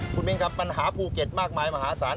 คุณมินครับปัญหาภูเก็ตมากมายมหาศาล